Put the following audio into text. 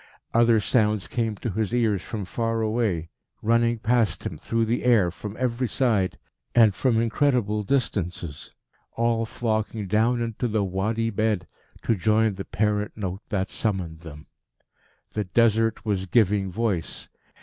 Other sounds came to his ears from far away, running past him through the air from every side, and from incredible distances, all flocking down into the Wadi bed to join the parent note that summoned them. The Desert was giving voice.